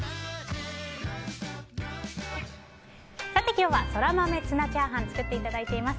今日はソラマメツナチャーハン作っていただいています。